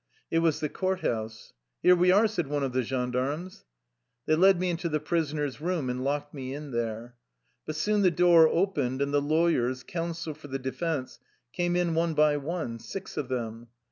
It was the court house. " Here we are !'' said one of the gendarmes. They led me into the prisoners' room and locked me in there. But soon the door opened, and the lawyers, counsel for the defense, came in one by one, six of them.